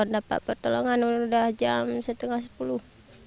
dapat pertolongan sudah jam setengah sepuluh